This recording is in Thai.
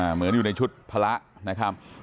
เหมือนอยู่ในชุดพระนะครับ